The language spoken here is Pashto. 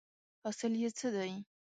حاصل یې څه دی ؟